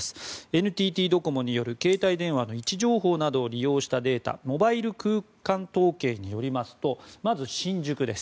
ＮＴＴドコモによる携帯電話の位置情報を利用したデータモバイル空間統計によりますとまず新宿です